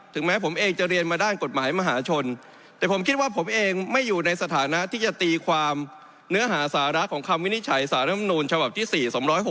แม้ผมเองจะเรียนมาด้านกฎหมายมหาชนแต่ผมคิดว่าผมเองไม่อยู่ในสถานะที่จะตีความเนื้อหาสาระของคำวินิจฉัยสารธรรมนูลฉบับที่๔๖๖